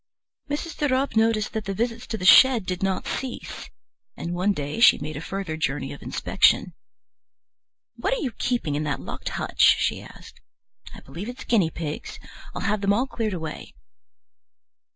Mrs. de Ropp noticed that the visits to the shed did not cease, and one day she made a further journey of inspection. "What are you keeping in that locked hutch?" she asked. "I believe it's guinea pigs. I'll have them all cleared away."